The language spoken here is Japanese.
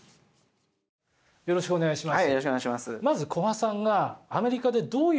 よろしくお願いします。